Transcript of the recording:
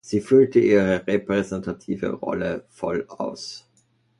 Sie füllte ihre repräsentative Rolle voll aus.